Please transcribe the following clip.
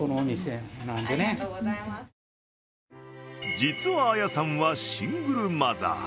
実は綾さんはシングルマザー。